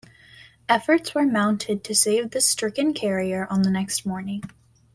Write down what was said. Efforts were mounted to save the stricken carrier on the next morning.